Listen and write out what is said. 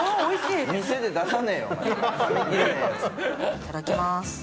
いただきます。